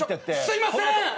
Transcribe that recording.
すいません！